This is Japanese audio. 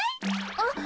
あっ！